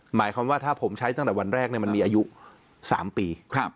หมายความว่าถ้าผมใช้ตั้งแต่วันแรกมันมีอายุ๓ปี